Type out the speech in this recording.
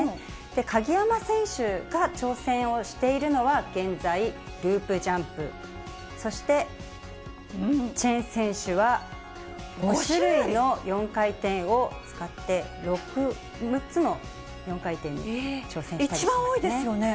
鍵山選手が挑戦をしているのは、現在、ループジャンプ、そして、チェン選手は５種類の４回転を使って、一番多いですよね。